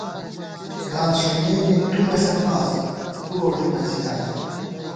گانس ݫُمېنے تُو مہ ݪپاس ، سُو ووڑہ ٹَزِکاں کی